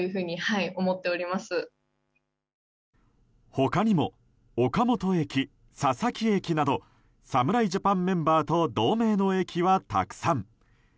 他にも岡本駅、佐々木駅など侍ジャパンメンバーと同名の駅はたくさん。